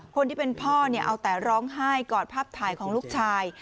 คนที่เป็นพ่อเนี่ยเอาแต่ร้องไห้กอดภาพถ่ายของลูกชาย